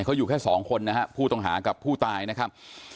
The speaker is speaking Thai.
เขาอยู่แค่สองคนนะฮะผู้ต้องหากับผู้ตายนะครับ